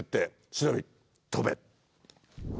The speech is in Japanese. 忍び飛べ。